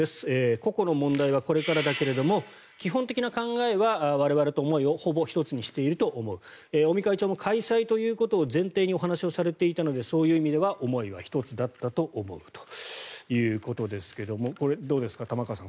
個々の問題はこれからだけれども基本的な考えは我々と思いをほぼ一つにしていると思う尾身会長も開催ということを前提にお話をされていたのでそういう意味では思いは一つだったと思うということですがこれ、どうですか、玉川さん